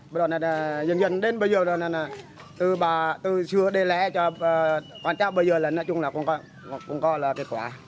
bây giờ là dần dần đến bây giờ là từ xưa đến lẽ cho quán cháu bây giờ là nói chung là cũng có kết quả